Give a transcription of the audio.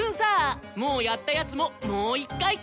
もうやったヤツももう一回！